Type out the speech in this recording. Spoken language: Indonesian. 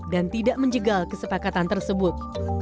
dan tidak menjegal kesepakatan tersebut